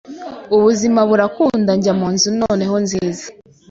ubuzima burakunda njya munzu noneho nziza